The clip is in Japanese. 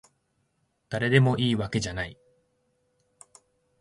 だれでもいいわけじゃない